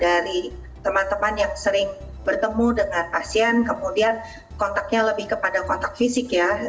dari teman teman yang sering bertemu dengan pasien kemudian kontaknya lebih kepada kontak fisik ya